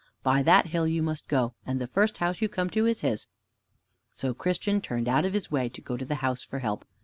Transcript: "By that hill you must go, and the first house you come to is his." So Christian turned out of his way to go to the house for help.